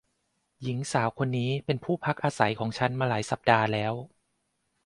หญิงสาวคนนี้เป็นผู้พักอาศัยของฉันมาหลายสัปดาห์แล้ว